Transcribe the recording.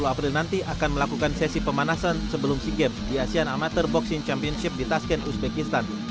dua puluh april nanti akan melakukan sesi pemanasan sebelum sea games di asean amater boxing championship di taskent uzbekistan